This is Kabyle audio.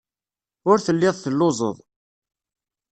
Ur telliḍ telluẓeḍ.